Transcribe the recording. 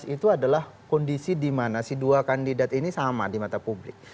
dua ribu empat belas itu adalah kondisi dimana si dua kandidat ini sama di mata publik